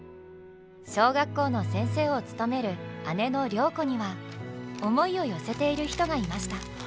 小学校の先生を務める姉の良子には思いを寄せている人がいました。